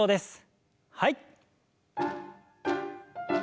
はい。